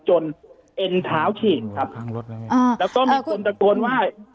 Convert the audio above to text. จนเอ็นเท้าฉีดครับแล้วก็มีคนตะโกนว่า